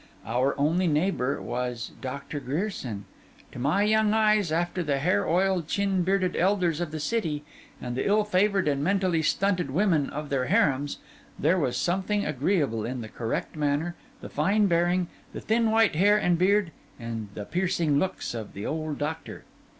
Our only neighbour was Dr. Grierson. To my young eyes, after the hair oiled, chin bearded elders of the city, and the ill favoured and mentally stunted women of their harems, there was something agreeable in the correct manner, the fine bearing, the thin white hair and beard, and the piercing looks of the old doctor.